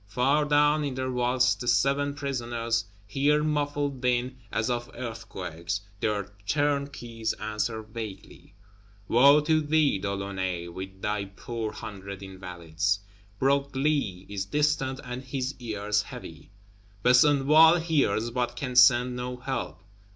Far down, in their vaults, the seven Prisoners hear muffled din as of earthquakes; their Turnkeys answer vaguely. Woe to thee, De Launay, with thy poor hundred Invalides! Broglie is distant, and his ears heavy; Besenval hears, but can send no help.